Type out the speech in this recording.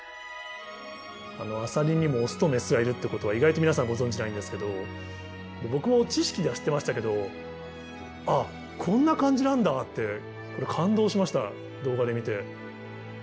あのアサリにもオスとメスがいるってことは意外と皆さんご存じないんですけど僕も知識では知ってましたけど「ああこんな感じなんだ」ってこれ感動しました動画で見て。